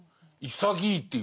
潔いっていうか。